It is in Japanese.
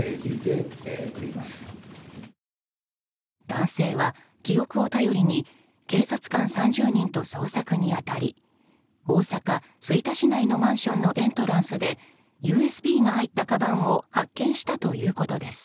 男性は記憶を頼りに警察官３０人と捜索に当たり大阪・吹田市内のマンションのエントランスでＵＳＢが入ったかばんを発見したということです。